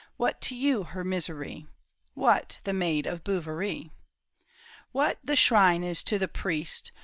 What to you her misery ? What, the maid of Bouverie ?"" What the shrine is to the priest.